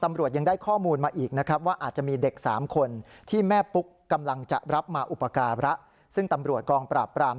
มาอุปกรณ์พระซึ่งตำรวจกองปราบราม